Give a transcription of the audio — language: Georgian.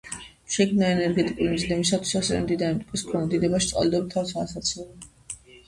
შეიქმნა ენერგეტიკული მიზნებისათვის, ასევე მდინარე მტკვრის ქვემო დინებაში წყალდიდობის თავიდან ასაცილებლად.